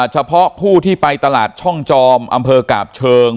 เฉพาะผู้ที่ไปตลาดช่องจอมอำเภอกาบเชิง